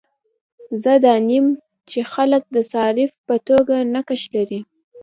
زه دا منم چې خلک د صارف په توګه نقش لري.